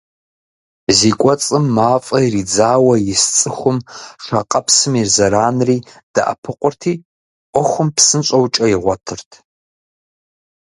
Зи кӏуэцӏым мафӏэ иридзауэ ис цӏыхум шакъэпсым и зэранри «дэӏэпыкъурти», ӏуэхум псынщӏэу кӏэ игъуэтырт.